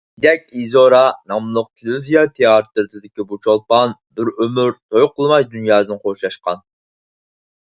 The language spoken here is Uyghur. «دېدەك ئىزورا» ناملىق تېلېۋىزىيە تىياتىرىدىكى بۇ چولپان بىر ئۆمۈر توي قىلماي دۇنيادىن خوشلاشقان.